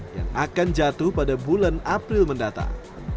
yang akan jatuh pada bulan april mendatang